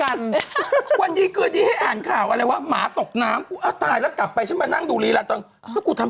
อันนี้อะไรอ่ะนี่มันอะไรไม่รู้อ่ะ